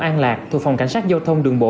an lạc thuộc phòng cảnh sát giao thông đường bộ